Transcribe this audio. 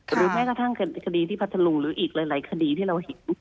หรือแม้กระทั่งคดีที่พัทธรุงหรืออีกหลายคดีที่เราเห็น